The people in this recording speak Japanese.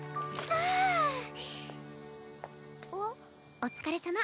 お疲れさま。